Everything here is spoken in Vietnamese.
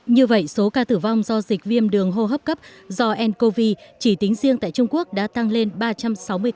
như vậy số ca tử vong do dịch viêm đường hô hấp cấp do ncov chỉ tính riêng tại trung quốc đã tăng lên ba trăm sáu mươi ca